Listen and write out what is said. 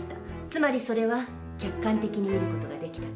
つまりそれは客観的に見る事ができたから。